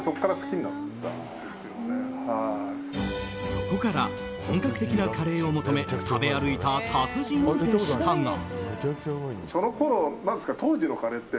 そこから本格的なカレーを求め食べ歩いた達人でしたが。